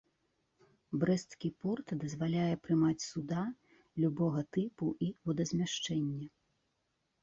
Брэсцкі порт дазваляе прымаць суда любога тыпу і водазмяшчэння.